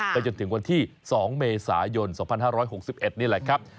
จนถึงวันที่๒เมษายน๒๕๖๑นี่แหละครับ